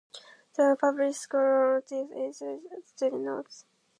The journal publishes scholarly articles, essays, and student notes.